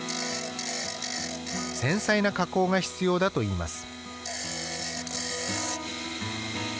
繊細な加工が必要だと言います。